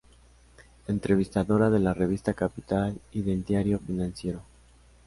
Entrevistadora de la Revista Capital y del Diario Financiero.